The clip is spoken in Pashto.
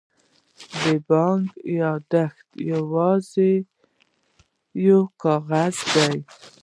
د بانک یادښت یوازې یو کاغذ دی.